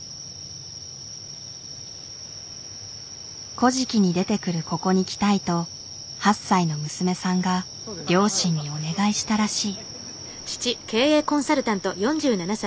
「古事記」に出てくるここに来たいと８歳の娘さんが両親にお願いしたらしい。